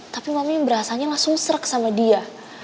tapi mami berasanya langsung serak sama dia